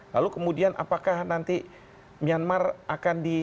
lalu kemudian apakah nanti myanmar akan di